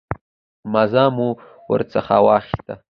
مزه مو ورڅخه واخیسته.